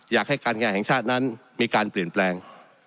อยากให้การงานแห่งชาตินั้นมีการเปลี่ยนแปลง